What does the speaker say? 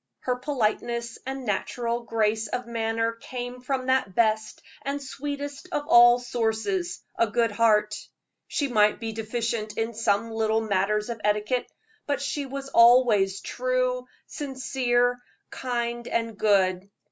Her politeness and natural grace of manner came from that best and sweetest of all sources, a good heart. She might be deficient in some little matters of etiquette, but she was always true, sincere, kind and good.